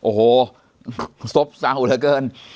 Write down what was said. โอ้โหซบเศร้าเหลือเกิน